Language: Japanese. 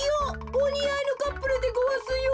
おにあいのカップルでごわすよ。